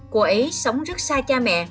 cô ấy sống rất xa cha mẹ